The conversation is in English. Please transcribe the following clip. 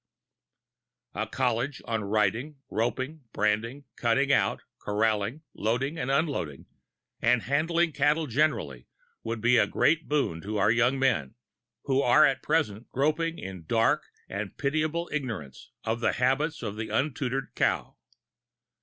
A college for riding, roping, branding, cutting out, corralling, loading and unloading, and handling cattle generally, would be a great boon to our young men, who are at present groping in dark and pitiable ignorance of the habits of the untutored cow.